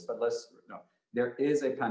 itu menyebabkan banyak perubahan